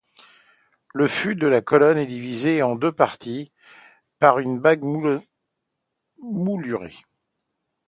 Le fût de la colonne est divisé en deux parties par une bague moulurée.